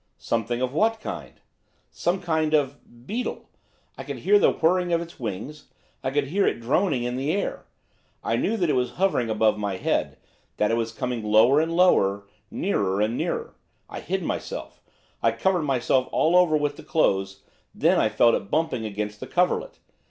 'Something of what kind?' 'Some kind of beetle. I could hear the whirring of its wings; I could hear its droning in the air; I knew that it was hovering above my head; that it was coming lower and lower, nearer and nearer. I hid myself; I covered myself all over with the clothes, then I felt it bumping against the coverlet.